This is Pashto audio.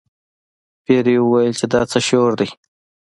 پیري وویل چې دا څه شور دی.